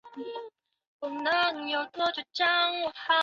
路易斯是反抗西班牙统治的尼德兰叛乱中关键人物。